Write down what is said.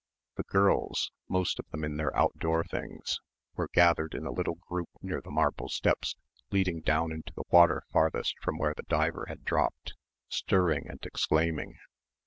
The girls most of them in their outdoor things were gathered in a little group near the marble steps leading down into the water farthest from where the diver had dropped, stirring and exclaiming.